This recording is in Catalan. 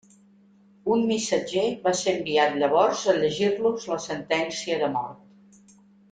Un missatger va ser enviat llavors a llegir-los la sentència de mort.